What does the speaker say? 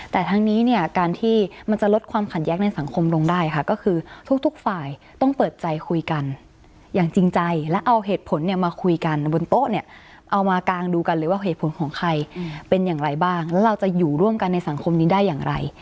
แต่ทั้งนี้เนี่ยการที่มันจะลดความขัดแย้งในสังคมลงได้ค่ะก็คือทุกฝ่ายต้องเปิดใจคุยกันอย่างจริงใจและเอาเหตุผลเนี่ยมาคุยกันบนโต๊ะเนี่ยเอามากางดูกันเลยว่าเหตุผลของใครเป็นอย่างไรบ้างแล้วเราจะอยู่ร่วมกันในสังคมนี้ได้อย่างไร